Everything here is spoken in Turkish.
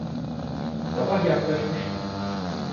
Sabah yaklaşmıştı.